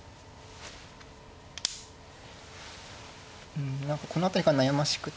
うん何かこの辺りから悩ましくて。